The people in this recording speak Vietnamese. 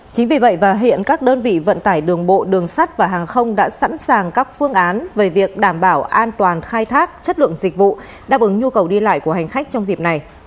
chính vì vậy và hiện các đơn vị vận tải đường bộ đường sắt và hàng không đã sẵn sàng các phương án về việc đảm bảo an toàn khai thác chất lượng dịch vụ đáp ứng nhu cầu đi lại của hành khách trong dịp này